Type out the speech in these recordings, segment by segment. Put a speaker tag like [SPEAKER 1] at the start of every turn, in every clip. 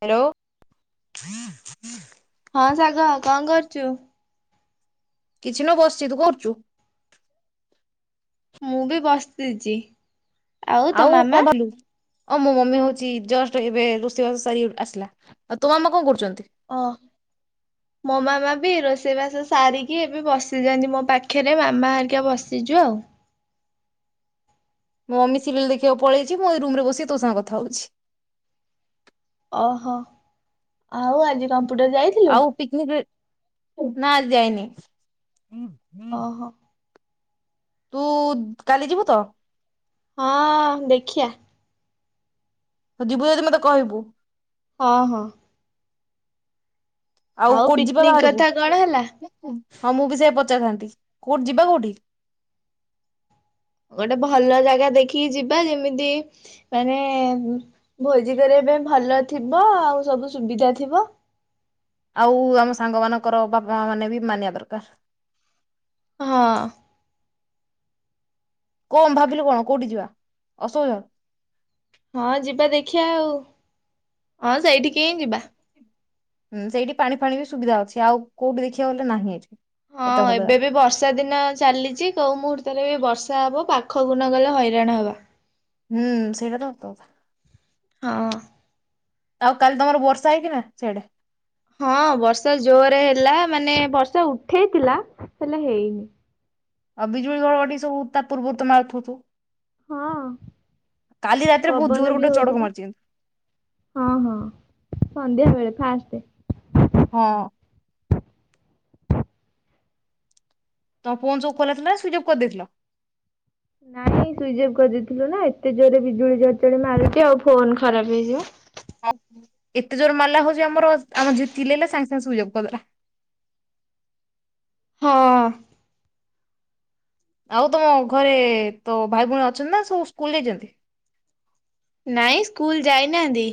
[SPEAKER 1] Hello.
[SPEAKER 2] ହଁ ଶାଗ କଣ କରୁଛୁ?
[SPEAKER 1] କିଛି ନ ବସିଚି ତୁ କରୁଛୁ।
[SPEAKER 2] ମୁଁ ବି ବସିଛି। ତୋ
[SPEAKER 1] ଆଉ
[SPEAKER 2] ମାମା?
[SPEAKER 1] କଣ କଲୁ? ହଁ ମୋ ମମି ହଉଛି ଜଷ୍ଟ ଏବେ ରୋଷେଇବାସ ସାରି ଆସିଲା ଆଉ ତୋମ ମାମା କଣ କରୁଛନ୍ତି?
[SPEAKER 2] ଓ। ମୋ ମାମା ବି ରୋଷେଇବାସ ସାରିକି ଏବେ ବସିଯାଆନ୍ତି ମୋ ପାଖରେ ମାମା ହରିକା ବସିଛୁ ଆଉ।
[SPEAKER 1] ମୋ ମମି ସିରିଏଲ ଦେଖିବାକୁ ପଳେଇଛି ମୁଁ ଏଇ ରୁମ ରେ ବସିକି ତୋ ସାଙ୍ଗେ କଥା ହଉଛି।
[SPEAKER 2] ଓହୋ ଆଉ ଆଜି କମ୍ପ୍ୟୁଟର ଯାଇ
[SPEAKER 1] ଆଉ ପିକନିକ ନା ଆଜି ଯାଇନି।
[SPEAKER 2] ଅ ହ।
[SPEAKER 1] ତୁ କାଲି ଯିବୁ ତ?
[SPEAKER 2] ହଁ ଦେଖିଆ।
[SPEAKER 1] ଯିବୁ ଯଦି ମତେ କହିବୁ।
[SPEAKER 2] ହଁ ହଁ।
[SPEAKER 1] ଆଉ କୋଉଠି ଯିବା
[SPEAKER 2] ପିକନିକ
[SPEAKER 1] ବାହାରକୁ
[SPEAKER 2] କଥା କଣ ହେଲା?
[SPEAKER 1] ହଁ ମୁଁ ବି ସେୟା ପଚାରିଥାନ୍ତି କୋଉଠି ଯିବା କୋଉଠି?
[SPEAKER 2] ଗୋଟେ ଭଲ ଜାଗା ଦେଖିକି ଯିବା ଯେମିତି ମାନେ ଭୋଜି କରିବା ପାଇଁ ଭଲ ଥିବ ଆଉ ସବୁ ସୁବିଧା ଥିବ
[SPEAKER 1] ଆଉ ଆମ ସାଙ୍ଗ ମାନଙ୍କର ବାପା ମା ମାନେ ବି ମାନିବା ଦରକାର
[SPEAKER 2] ହଁ।
[SPEAKER 1] କଣ ଭାବିଲୁ କଣ କୋଉଠି ଯିବା ଅସହଜ
[SPEAKER 2] ହଁ ଯିବା ଦେଖିବା ଆଉ ହଁ ସେଇଠିକ ହିଁ ଯିବା।
[SPEAKER 1] ହୁଁ ସେଇଠି ପାଣି ଫାଣି ବି ସୁବିଧା ଅଛି ଆଉ କୋଉଠି ଦେଖିବା ଗଲେ ନାହିଁ
[SPEAKER 2] ହଁ
[SPEAKER 1] ଏତେ ଭଲ
[SPEAKER 2] ଏବେ
[SPEAKER 1] ଜାଗା।
[SPEAKER 2] ବି ବର୍ଷା ଦିନ ଚାଲିଛି କେଉ ମୁହୂର୍ତ୍ତରେ ଏ ବର୍ଷା ହବ ପାଖକୁ ନ ଗଲେ ହଇରାଣ ହେବା
[SPEAKER 1] ହୁଁ ସେଇ
[SPEAKER 2] ହଉ।
[SPEAKER 1] ଆଉ କାଲି ତମର ବର୍ଷା ହେଇକି ନା ସେଇଆଟା
[SPEAKER 2] ହଁ ବର୍ଷା ଜୋରରେ ହେଲା ମାନେ ବର୍ଷା ଉଠେଇଥିଲା ହେଲେ ହେଇନି
[SPEAKER 1] ଆଉ ବିଜୁଳି ଗଡଡି ସବୁ ତା ପୂର୍ବରୁ ତମେ ଉଥୁଥୁ
[SPEAKER 2] ହଁ
[SPEAKER 1] କାଲି ରାତିରେ ବହୁତ
[SPEAKER 2] ପବନ
[SPEAKER 1] ଜୋର
[SPEAKER 2] ବି
[SPEAKER 1] ଗୋଟେ ଚଢକ
[SPEAKER 2] ହଉଥିଲା
[SPEAKER 1] ମାରିଛନ୍ତି।
[SPEAKER 2] ହଁ ହଁ ସନ୍ଧ୍ୟା ବେଳେ ଫାଷ୍ଟ
[SPEAKER 1] ହଁ। ତମ ଫୋନ୍ ସବୁ ଖୋଲାଥିଲା ସୁିଚଅପ୍ କରିଦେଇଥିଲ?
[SPEAKER 2] ନାଇଁ ସୁଇଚ୍ ଅଫ୍ କରିଦେଇଥିଲୁ ନା ଏତେ ଜୋରରେ ବିଜୁଳି ଝରଝଡି ମାରୁଛି ଆଉ ଫୋନ ଖରାପ ହେଇଯିବ।
[SPEAKER 1] ହଉ ଏତେ ଜୋର ମାଲା ହଉଛି ଆମର ଝି ଚିଲେଇଲା ସାଙ୍ଗେ ସାଙ୍ଗେ ସୁଇଜଅପ୍ କରିଦେଲା।
[SPEAKER 2] ହଁ।
[SPEAKER 1] ଆଉ ତମ ଘରେ ତୋ ଭାଇ ଭଉଣୀ ଅଛନ୍ତି ନା ସବୁ ସ୍କୁଲ ଜାଇଛନ୍ତି?
[SPEAKER 2] ନାଇଁ ସ୍କୁଲ ଯାଇନାହାନ୍ତି।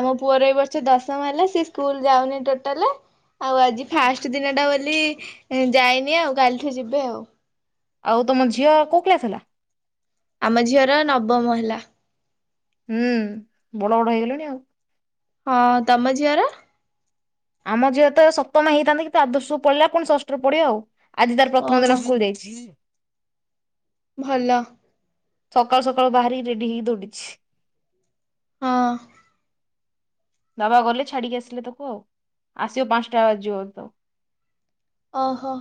[SPEAKER 2] ଆମ ପୁଅର ଏ ବର୍ ବର୍ଷ ଦଶମ ହେଲା ସ ସ୍କୁଲ ଯାଉନି ଟୋଟାଲ। ଆଉ ଆଜି ଫାଷ୍ଟ ଦିନ ଟା ବୋଲି ଯାଇନି ଆଉ କାଲିଠୁ ଯିବେ ଆଉ।
[SPEAKER 1] ଆଉ ତମ ଝିଅ କୋଉ କ୍ଲାସ ହେଲା?
[SPEAKER 2] ଆମ ଝିଅର ନବମ ହେଲା।
[SPEAKER 1] ହୁଁ ବଡ ବଡ ହେଇଗଲେଣି ଆଉ।
[SPEAKER 2] ହଁ, ତମ ଝିଅର?
[SPEAKER 1] ଆମ ଝିଅ ତ ସପ୍ତମ ହେଇଥାନ୍ତା କିନ୍ତୁ ଆଦର୍ଶ କୁ ପଳେଇଲା ପୁଣି ଷଷ୍ଠରେ ପଡିବ ଆଉ। ଆଜି ତାର ପ୍ରଥମ
[SPEAKER 2] ଓହୋ
[SPEAKER 1] ଦିନ ସ୍କୁଲ ଯାଇଛି।
[SPEAKER 2] ଭଲ।
[SPEAKER 1] ସକାଳୁ ସକାଳୁ ବାହାରି ରେଡି ହେଇି ଦୌଡିଛି।
[SPEAKER 2] ହଁ।
[SPEAKER 1] ବାବା ଗଲେ ଛାଡ଼ିକି ଆସିଲେ ତାକୁ ଆଉ, ଆସିବ ପାଞ୍ଚଟା ବାଜିଯିବ ତ
[SPEAKER 2] ଓହୋ।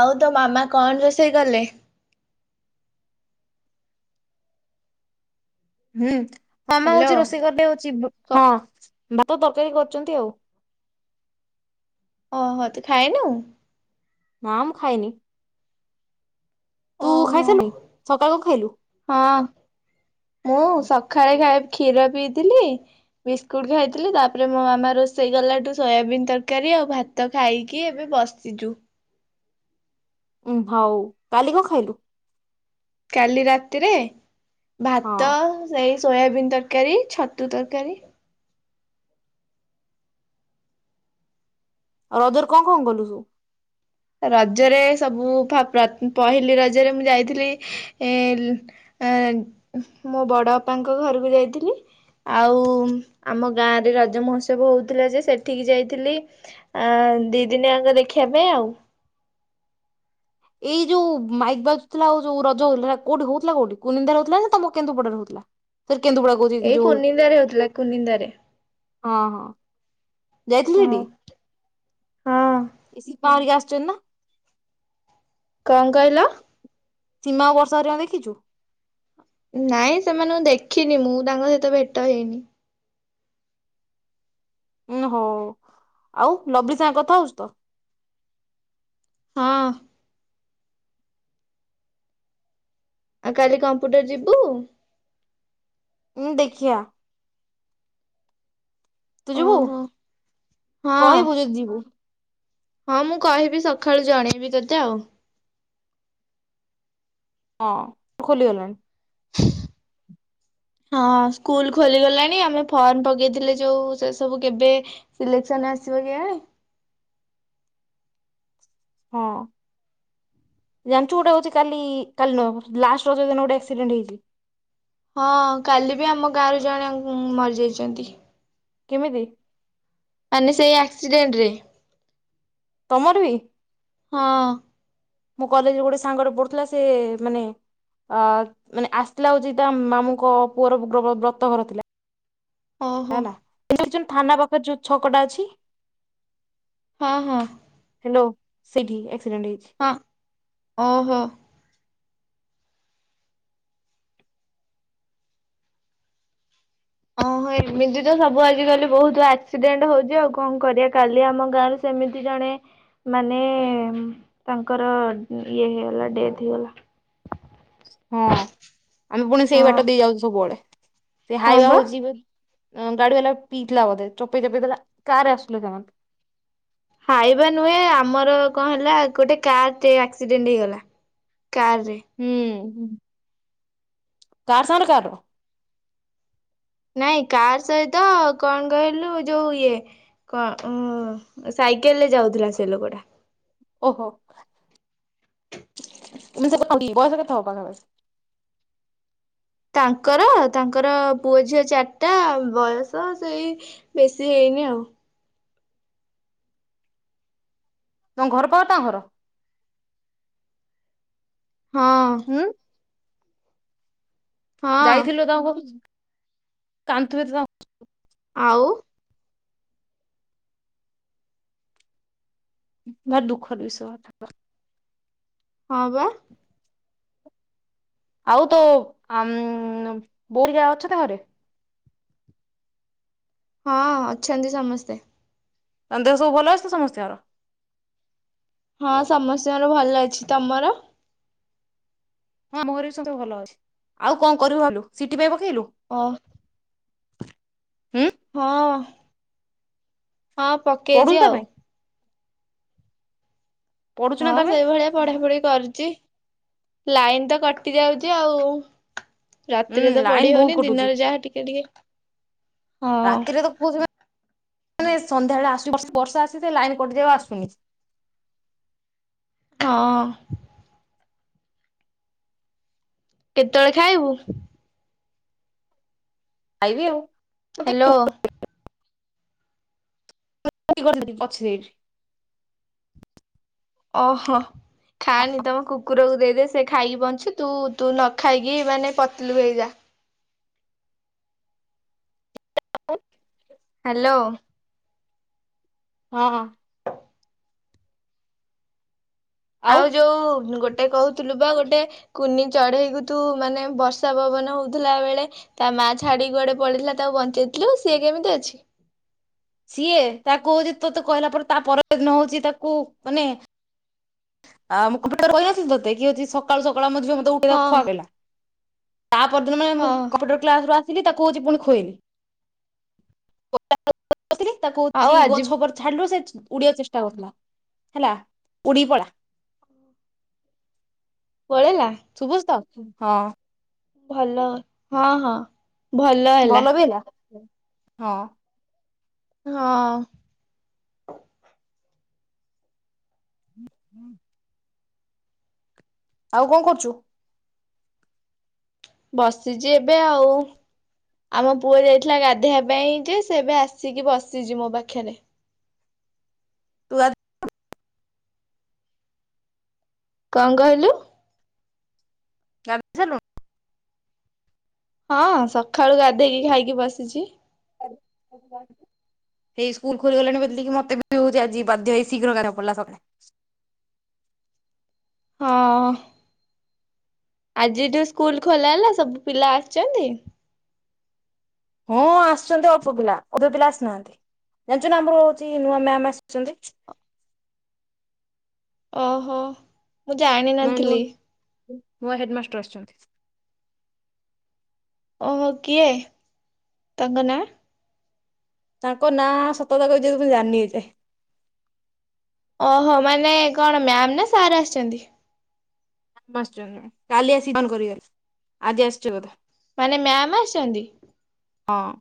[SPEAKER 2] ଆଉ ତୋ ମାମା କଣ ରୋଷେଇ କଲେ?
[SPEAKER 1] ହୁଁ, ମାମା
[SPEAKER 2] ହ୍ୟାଲୋ
[SPEAKER 1] ହଉଛି ରୋଷେଇ କରିଲେ ହଉଛି ହଁ ଭାତ, ତରକାରୀ କରୁଛନ୍ତି ଆଉ।
[SPEAKER 2] ଓହୋ, ତୁ ଖାଇନୁ?
[SPEAKER 1] ନା ମୁଁ ଖାଇନି? ତୁ ଖାଇ
[SPEAKER 2] ଓହୋ
[SPEAKER 1] ସାରୁଲଣି? ସକାଳ କଣ ଖାଇଲୁ?
[SPEAKER 2] ହଁ ମୁଁ ସକାଳେ ଖାଇ କ୍ଷୀର ପିଇଥିଲି। ବିସ୍କୁଟ ଖାଇଥିଲି। ତାପରେ ମୋ ମାମା ରୋଷେଇ ଗଲାଠୁ ସୋୟାବିନ୍ ତରକାରୀ ଆଉ ଭାତ ତ ଖାଇକି ଏବେ ବସିଛୁ।
[SPEAKER 1] ଉଁ ହଉ। କାଲି କଣ ଖାଇଲୁ?
[SPEAKER 2] କାଲି ରାତିରେ?
[SPEAKER 1] ହଁ
[SPEAKER 2] ଭାତ, ସେଇ ସୋୟାବିନ୍ ତରକାରୀ, ଛତୁ ତରକାରୀ,
[SPEAKER 1] ଆଉ ରଜର କଣ କଣ କଲୁ?
[SPEAKER 2] ରଜରେ ସବୁ ପହିଲି ରଜରେ ମୁଁ ଯାଇଥିଲି ଏ ମୋ ବଡ଼ ବାପାଙ୍କ ଘରକୁ ଯାଇଥିଲି। ଆଉ ଆମ ଗାଁରେ ରଜ ମହୋତ୍ସବ ହଉଥିଲା ଯେ ସେଠିକି ଯାଇଥିଲି। ଅ ଦି ଦିନିଆଙ୍କ ଦେଖିବା ପାଇଁ ଆଉ।
[SPEAKER 1] ଏଇ ଯୋଉ ମାଇକ ବାଜୁଥିଲା ଆଉ ଯୋଉ ରଜ ହଉଥିଲା କୋଉଠି ହଉଥିଲା କୋଉଠି କୁନିନ୍ଦା ର ହଉଥିଲା ନା ତମ କେନ୍ଦୁପଡରେ ହଉଥିଲା? ସର [unintelligible]
[SPEAKER 2] ଏଇ କୁନିନ୍ଦାରେ ହଉଥିଲା। କୁନିନ୍ଦାରେ
[SPEAKER 1] ହଁ, ହଁ।
[SPEAKER 2] ହଁ
[SPEAKER 1] ଯାଇଥିଲି
[SPEAKER 2] ହଁ।
[SPEAKER 1] ସେଠି ଏ ମ୍ [inaudible] [inaudible]
[SPEAKER 2] କଣ କହିଲ?
[SPEAKER 1] ସୀମା ଆଉ ବର୍ଷା ହରିକାଙ୍କୁ ଦେଖିଚୁ?
[SPEAKER 2] ନାଇଁ ସେମାନଙ୍କୁ ଦେଖିନି ମୁଁ ତାଙ୍କ ସହିତ ଭେଟ ହେଇନି।
[SPEAKER 1] ଉୁଁ ହଉ ଆଉ। ଲବି ସାଙ୍ଗ କଥା ହଉଛି ତ?
[SPEAKER 2] ହଁ। ଆଉ କାଲି କମ୍ପୁଟର ଯିବୁ?
[SPEAKER 1] ଉଁ ଦେଖିଆ। ତୁ ଯିବୁ
[SPEAKER 2] ଓହୋ। ହଁ
[SPEAKER 1] କହିବୁ ଯଦି ଯିବୁ।
[SPEAKER 2] ହଁ ମୁଁ କହିବି ସକାଳୁ ଜଣେଇବି ତୋତେ ଆଉ।
[SPEAKER 1] ହଁ ଖୋଲିଗଲାଣି।
[SPEAKER 2] ହ ହଁ ସ୍କୁଲ ଖୋଲିଗଲାଣି ଆମେ ଫର୍ମ ପକେଇଥିଲେ ଯୋଉ ସେ ସବୁ କେବେ ସିଲେକ୍ସନ ଆସିବ କେଆଣି। [unintelligible]
[SPEAKER 1] ଜାଣିଚୁ ଗୋଟେ ହଉଚି କାଲି କାଲିନୁହଁ ଲାଷ୍ଟ ରଜଦିନ ଗୋଟେ ଆକ୍ସିଡେଣ୍ଟ ହେଇଚି।
[SPEAKER 2] ହଁ କାଲିବି ଆମ ଗାଁ ରୁ ଜଣେ ମରିଯାଇଚନ୍ତି।
[SPEAKER 1] କେମିତି?
[SPEAKER 2] ମାନେ ସେଇ ଆକ୍ସିଡେଣ୍ଟରେ।
[SPEAKER 1] ତମରବି
[SPEAKER 2] ହଁ।
[SPEAKER 1] ମୋ କଲେଜରେ ସାଙ୍ଗରେ ପଢୁଥିଲା ସେ ମାନେ ଅ ମାନେ ଆସିଥିଲା ହଉଚି ତା ମାମୁଁ ଙ୍କ ପୁଅର ବ୍ର ବ୍ରତ ଘର ଥିଲା।
[SPEAKER 2] ଓହୋ
[SPEAKER 1] ହେଲା ଏଯୋଉ ଯୋଉ ଥାନା ପାଖରେ ଯୋଉ ଛକଟା ଅଛି।
[SPEAKER 2] ହଁ ହଁ।
[SPEAKER 1] ହାଲୋ ସେଠି ଏକ୍ସିଡେଣ୍ଟ ହେଇଚି।
[SPEAKER 2] ହଁ ଓହୋ। ଓ ହୋ ଏମତିତ ସବୁ ଆଜି କାଲି ବହୁତ ଆକ୍ସିଡେଣ୍ଟ ହଉଚି ଆଉ କଣ କରିବା କାଲି ଆମ ଗାଁରେ ସେମିତି ଜଣେ ମାନେ ତାଙ୍କର ଇଏ ହେଇଗଲା ଡେଥ ହେଇଗଲା।
[SPEAKER 1] ହଁ ଆମେ ପୁଣି ସେଇ
[SPEAKER 2] ହଁ
[SPEAKER 1] ବାଟ ଦେଇ ଯାଉଚୁ ସବୁବେଳେ ସେ
[SPEAKER 2] ହଁ
[SPEAKER 1] ହାଇୱେ
[SPEAKER 2] ବା।
[SPEAKER 1] ଯିବେ ଅଁ ଗାଡି ବାଲା ପିଇଥିଲା ବୋଧେ ଚପେଇ ଚପେଇ ଦେଲା କାରରେ ଆସୁଥିଲେ ସେମାନେ
[SPEAKER 2] ହାଇବା ନୁହେଁ ଆମର କଣ ହେଲା ଗୋଟେ କାରଟେ ଆକ୍ସିଡେଣ୍ଟ ହେଇଗଲା। କାରରେ
[SPEAKER 1] ହୁଁ। କାର ସାଙ୍ଗରେ କାର?
[SPEAKER 2] ନାଇଁ କାର ସହିତ କଣ କହିଲୁ ଯୋଉ ଇଏ କଣ ଉଁ ସାଇକେଲରେ ଯାଉଥିଲା ସେ ଲୋକଟା।
[SPEAKER 1] ଓହୋ ଏମିତି ସବୁ କୁଟନ୍ତି ବୟସ କେତେ ହବ ତାଙ୍କର?
[SPEAKER 2] ତାଙ୍କର ତାଙ୍କର ପୁଅ ଝିଅ ଚାରିଟା ବୟସ ସେଇ ବେଶୀ ହେଇନି ଆଉ।
[SPEAKER 1] ତମ ଘର ପାଖରେ ତାଙ୍କ ଘର?
[SPEAKER 2] ହଁ।
[SPEAKER 1] ହୁଁ?
[SPEAKER 2] ହଁ।
[SPEAKER 1] ଯାଇଥିଲୁ ତାଙ୍କ ଘରକୁ କାନ୍ଦୁଥିବେତ
[SPEAKER 2] ଆଉ
[SPEAKER 1] ଭାରି ଦୁଃଖଦ ବିଷୟ
[SPEAKER 2] ହଁ ବା।
[SPEAKER 1] ଆଉ ତୋ ଅମଁ ବୋଉ ହେରିକା ଅଛନ୍ତି ଘରେ?
[SPEAKER 2] ହଁ ଅଛନ୍ତି ସମସ୍ତେ।
[SPEAKER 1] ତାଙ୍କ ଦେହ ସବୁ ଭଲ ଅଛିତ ସମସ୍ତିଙ୍କର।
[SPEAKER 2] ହଁ ସମସ୍ତିଙ୍କର ଭଲଅଛି ତମର?
[SPEAKER 1] ହଁ ଆମ ଘରେବି ସମେତେ ଭଲଅଛି ଆଉ କଣ କରିବୁ ଭାବିଲୁ ସିଟି ପାଇଁ ପକେଇଲୁ?
[SPEAKER 2] ଅ
[SPEAKER 1] ହୁଁ।
[SPEAKER 2] ହଁ। ହଁ
[SPEAKER 1] ପଢୁଛୁ
[SPEAKER 2] ପକେଇଚି
[SPEAKER 1] ତା
[SPEAKER 2] ଆଉ।
[SPEAKER 1] ପାଇଁ ପଢୁଛୁ ନା
[SPEAKER 2] ହଁ
[SPEAKER 1] ତା ପାଇଁ
[SPEAKER 2] ସେଇଭଳିଆ ପଢା ପଢି କରୁଚି ଲାଇନ ତ କଟି ଯାଉଚି ଆଉ। ରାତି
[SPEAKER 1] ହୁଁ
[SPEAKER 2] ରେ ତ
[SPEAKER 1] ଲାଇନ
[SPEAKER 2] ପଢି
[SPEAKER 1] ବହୁତ
[SPEAKER 2] ହଉନି
[SPEAKER 1] କଟୁଛି
[SPEAKER 2] ଦିନରେ ଯାହା ଟିକିଏ ଟିକିଏ
[SPEAKER 1] ରାତି ରେ ତ କହୁଥିବେ ମାନେ ସନ୍ଧ୍ୟାବେଳେ ଆସୁଚି ବର୍ଷ-ବର୍ଷା ଆସିତେ ଲାଇନ କଟିଯିବ ଆସୁନି।
[SPEAKER 2] ହଁ। କେତେବେଳେ ଖାଇବୁ?
[SPEAKER 1] ଖାଇବି ଆଉ।
[SPEAKER 2] ହ୍ୟାଲୋ।
[SPEAKER 1] [inaudible] ଅଛୁ ଏଇଠି।
[SPEAKER 2] ଓହୋ। ଖାଆନି ତମ କୁକୁରକୁ ଦେଇ ଦେ ସେ ଖାଇକି ବଞ୍ଚି ତୁ ତୁ ନ ଖାଇକି ମାନେ ପତଲୁ ହେଇଯାଆ।
[SPEAKER 1] [unintelligible]
[SPEAKER 2] ହ୍ୟାଲୋ।
[SPEAKER 1] ହଁ ହଁ।
[SPEAKER 2] ଆଉ ଯୋଉ ଗୋଟେ କହୁ ଥିଲୁ ବା ଗୋଟେ କୁନି ଚଢେଇକୁ ତୁ ମାନେ ବର୍ଷା ପବନ ହଉଥିଲା ବେଳେ ତା ମାଆ ଛାଡି କୁଆଡେ ପଳେଇଥିଲା ତାକୁ ବଞ୍ଚେଇଥିଲୁ ସିଏ କେମିତି ଅଛି?
[SPEAKER 1] ସିଏ ତାକୁ ହଉଚି ତୋତେ କହିଲା ପରେ ତା ପର ଦିନ ହଉଚି ତାକୁ ମାନେ ଆଉ ମୁଁ କମ୍ପ୍ୟୁଟର ରେ କହିନଥିଲି ତତେ କି ହଉଚି ସକାଳୁ ସକାଳୁ ଆମ ଝିଅ ମତେ ଉଠେଇଲା
[SPEAKER 2] ହଁ
[SPEAKER 1] ବେଳକୁ। [unintelligible] ତା ପରଦିନ ମାନେ ମୁଁ
[SPEAKER 2] ହଁ
[SPEAKER 1] କମ୍ପ୍ୟୁଟର କ୍ଲାସ ରୁ ଆସିଲି ତାକୁ ହଉଚି ପୁଣି ଖୁଏଇଲି ଖୁ [inaudible] ନ ଥିଲି ତାକୁ
[SPEAKER 2] ଆଉ
[SPEAKER 1] ହଉଚି
[SPEAKER 2] ଆଜି
[SPEAKER 1] ଗଛ ଉପରେ ଝାଡିଲୁ ସେ ଉଡିଆକୁ ଚେଷ୍ଟା କରୁଥିଲା ହେଲା ଉଡ଼ିକି ପଳା।
[SPEAKER 2] ପଳେଇଲା?
[SPEAKER 1] ଶୁଭୁଚି ତ ହଁ।
[SPEAKER 2] ଭଲ ହଁ ହଁ।
[SPEAKER 1] ଭଲ ବି ହେଲା ହଁ।
[SPEAKER 2] ହଁ।
[SPEAKER 1] ଆଉ କଣ କରୁଚୁ?
[SPEAKER 2] ବସିଚି ଏବେ ଆଉ। ଆମ ପୁଅ ଯାଇଥିଲା ଗାଧେଇଆ ପାଇଁ ଯେ ସେ ଏବେ ଆସିକି ବସିଚି ମୋ ପାଖେରେ।
[SPEAKER 1] ତୁ ଗା [inaudible]
[SPEAKER 2] କଣ କହିଲୁ?
[SPEAKER 1] ଗାଧେଇ ସାଇଲୁଣୁ?
[SPEAKER 2] ହଁ ସଖାଳୁ ଗାଧେଇକି ଖାଇକି ବସିଛି।
[SPEAKER 1] ହେଇ ସ୍କୁଲ ଖୋଲି ଗଲାଣି ବୋଲି କି ମତେ ବି ହଉଚି ଆଜି ବାଧ୍ୟ ହେଇ ଶୀଘ୍ର ଗାଧେଇଆକୁ ପଡିଲା ସକାଳେ।
[SPEAKER 2] ହଁ। ଆଜିଠୁ ସ୍କୁଲ ଖୋଲା ହେଲା ସବୁ ପିଲା ଆସିଚନ୍ତି?
[SPEAKER 1] ହଁ ଆସିଚନ୍ତି ଅଳ୍ପ ପିଲା ଅଧେ ପିଲା ଆସିନାହାନ୍ତି ଜାଣିଚୁ ନା ଆମର ହଉଚୀ ନୂଆ ମ୍ୟାାମ ଆସିଚନ୍ତି।
[SPEAKER 2] ଓହୋ। ମୁଁ ଜାଣିି
[SPEAKER 1] ନୂଆ ହେଡମାଷ୍ଟର ଆସିଛନ୍ତି।
[SPEAKER 2] ଓହୋ କିଏ ତାଙ୍କ ନାଁ?
[SPEAKER 1] ତାଙ୍କ ନାଁ ସତ କଥା କହିଛି ମୁଁ ଜାଣୀନୀ ଏ ଯାଏ।
[SPEAKER 2] ଓହୋ ମାନେ କଣ ମ୍ୟାମ ନା ସାର୍ ଆସିଛନ୍ତି?
[SPEAKER 1] ମାଷ୍ଟେ କାଲି ଆସିକି ଅନ କରିଗଲେ ଆଜି ଆସଛି ବୋଧେ।
[SPEAKER 2] ମାନେ ମ୍ୟାମ ଆସିଛନ୍ତି?
[SPEAKER 1] ହଁ।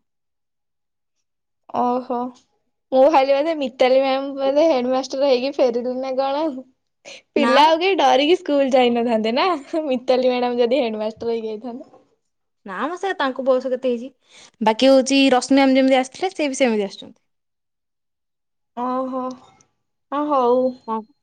[SPEAKER 2] ଓହୋ ମୁଁ ଭାବିଲି ବଧେ ମିତାଲି ମ୍ୟାମ ପରେ ହେଡମା ଷ୍ଟର ହେଇକି ଫେରିଲି ନା କଣ ଆଉ
[SPEAKER 1] ନା ମ
[SPEAKER 2] ପିଲା ଆଉ ଡରିକି ସ୍କୁଲ ଯାଇନଥାନ୍ତେ ନା ମତାଲି ମ୍ୟାଡାମ ଯଦି ହେଡମାଷ୍ଟର ହେଇ ଯାଇଥାନ୍ତେ।
[SPEAKER 1] ନା ମର ସେ ତାଙ୍କୁ ବୟସ କେତେ ହେଇଛି ବାକି ହଉଛି ରଶ୍ମି ମ୍ୟାମ ଯେମିତି ଆସିଥିଲେ ସେ ବି ସେମିତି ଆସିଛନ୍ତି।
[SPEAKER 2] ଓହୋ ହଁ ହଉ।
[SPEAKER 1] ହଁ।